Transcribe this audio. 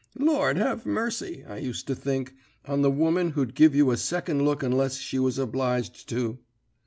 'Lord have mercy,' I used to think, 'on the woman who'd give you a second look unless she was obliged to!'